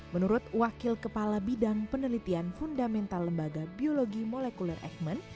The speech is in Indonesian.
menurut wakil kepala bidang penelitian fundamental lembaga biologi molekuler eijkman